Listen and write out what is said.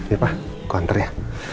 iya pak aku anter ya